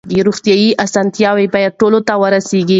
روغتیايي اسانتیاوې باید ټولو ته ورسیږي.